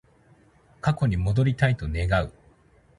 過去に戻りたいと願う